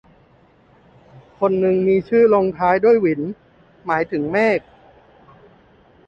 คนนึงมีชื่อลงท้ายด้วยหวิน หมายถึงเมฆ